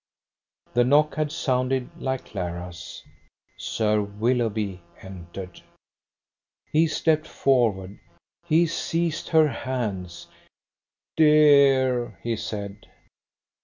The knock had sounded like Clara's. Sir Willoughby entered. He stepped forward. He seized her hands. "Dear!" he said.